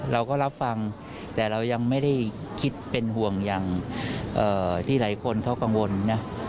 เราก็รับฟังแต่เรายังไม่ได้คิดเป็นห่วงอย่างที่หลายคนเขากังวลนะ